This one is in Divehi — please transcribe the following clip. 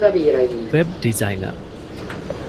ވެބް ޑިޒައިނަރ